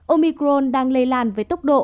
omicron đang lây lan với tốc độ